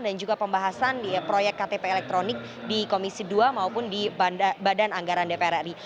dan juga pembahasan di proyek ktp elektronik di komisi dua maupun di badan anggaran dpr ri